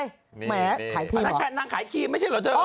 นี่ไหมไขเครีมหรอนางขายครีมไม่เสียเหรอเจ้า